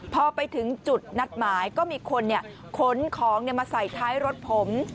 พอไปถึงจุดนัดหมายก็มีคนขนของมาใส่ท้ายรถผม